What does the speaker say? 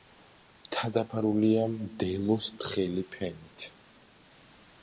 მთა დაფარულია მდელოს თხელი ფენით.